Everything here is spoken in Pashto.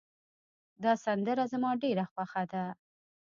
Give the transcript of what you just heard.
دا سندره زما ډېره خوښه ده